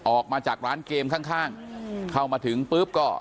ออกมาจากร้านเกมข้างเข้ามาถึงปุ๊บก็